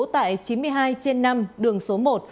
tại chín mươi hai trên năm đường số một